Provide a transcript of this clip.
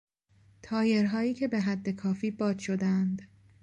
تایرهایی که به حد کافی باد شدهاند